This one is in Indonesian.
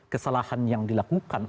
tindakan kesalahan yang dilakukan